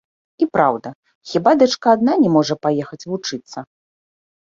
І праўда, хіба дачка адна не можа паехаць вучыцца?